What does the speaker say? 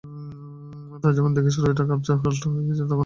তাই যখন দেখি শরীরটা কষ্ট পাইতেছে তখন এত সহজে আমাদের মন কাঁদিয়া উঠে।